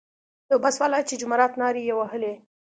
یو بس والا چې جمارات نارې یې وهلې.